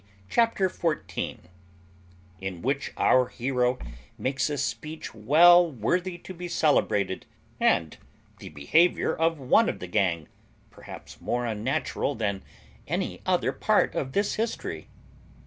CHAPTER FOURTEEN IN WHICH OUR HERO MAKES A SPEECH WELL WORTHY TO BE CELEBRATED; AND THE BEHAVIOUR OF ONE OF THE GANG, PERHAPS MORE UNNATURAL THAN ANY OTHER PART OF THIS HISTORY.